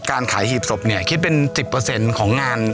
การขายหีบศพเนี่ยคิดเป็น๑๐ของงาน